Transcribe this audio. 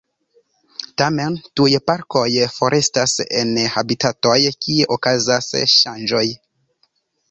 Tamen, tiuj parkoj forestas en habitatoj kie okazas ŝanĝoj.